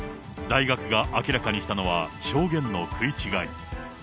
大学が明らかにしたのは、証言の食い違い。